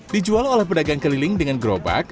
dijual oleh pedagang keliling dengan gerobak